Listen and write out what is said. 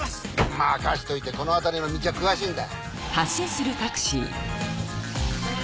任しといてこの辺りの道は詳しいんだ。